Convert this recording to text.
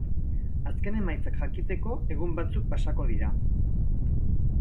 Azken emaitzak jakiteko egun batzuk pasako dira.